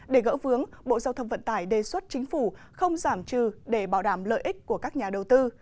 để gỡ vướng bộ giao thông vận tải đề xuất chính phủ không giảm trừ để bảo đảm lợi ích của các nhà đầu tư